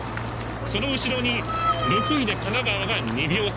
その後ろに６位で神奈川が２秒差。